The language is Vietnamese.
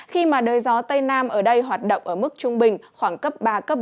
khi mà đời gió tây nam ở đây hoạt động ở mức trung bình khoảng cấp ba cấp bốn